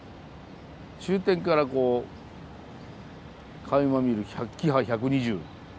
終点からこうかいま見るキハ１２０。